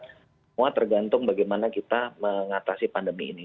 semua tergantung bagaimana kita mengatasi pandemi ini